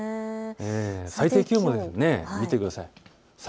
最低気温を見てください。